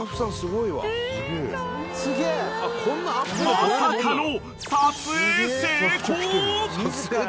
［まさかの］